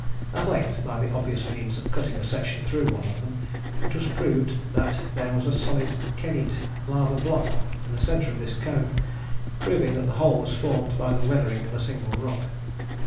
At length, by the obvious means of cutting a section through one of them, it was proved that there was a solid kenyte lava block in the centre of this cone, proving that the whole was formed by the weathering of a single rock.